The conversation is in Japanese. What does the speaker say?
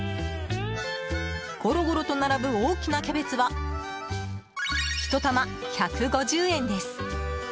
ごろごろと並ぶ大きなキャベツは１玉１５０円です。